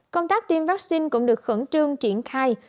công tác tiêm vaccine cũng được khẩn trương triển khai